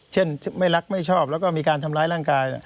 เช่นไม่รักไม่ชอบแล้วก็มีการทำร้ายร่างกาย